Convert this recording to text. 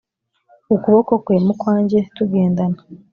ukuboko kwe mu kwanjye tugendana